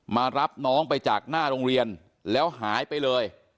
มารับน้องไปจากหน้าโรงเรียนแล้วหายไปเลย